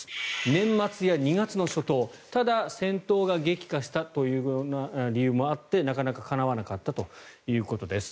年末や２月の初頭ただ戦闘が激化したというような理由もあってなかなかかなわなかったということです。